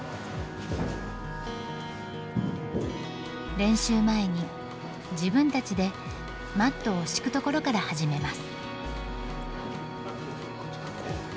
練習前に自分たちでマットを敷くところから始めます。